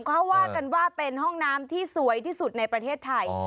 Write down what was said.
เขาว่ากันว่าเป็นห้องน้ำที่สวยที่สุดในประเทศไทย